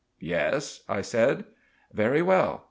"Yes," I said. "Very well.